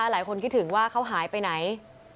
หลายคนคิดถึงว่าเขาหายไปไหน